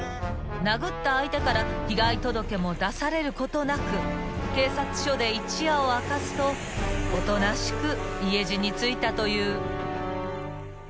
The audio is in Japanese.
［殴った相手から被害届も出されることなく警察署で一夜を明かすとおとなしく家路についたという］